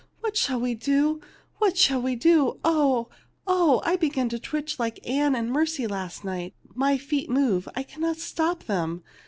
What shall we do ? What shall we do ? Oh, oh, I begin to twitch like Ann and Mercy last night ! My feet move, and I cannot stop them